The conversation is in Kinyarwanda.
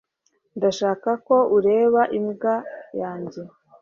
ndashaka ko ureba imbwa yanjye